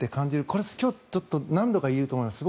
これ、今日ちょっと何度か言うと思います。